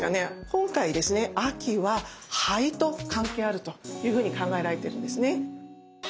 今回ですね秋は「肺」と関係あるというふうに考えられてるんですね。